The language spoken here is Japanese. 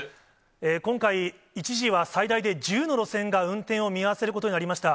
今回、一時は最大で１０の路線が運転を見合わせることになりました。